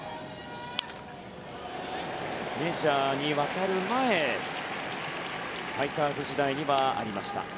メジャーに渡る前ファイターズ時代にはありました。